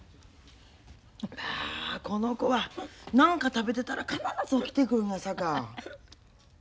まあこの子は何か食べてたら必ず起きてくるんやさか。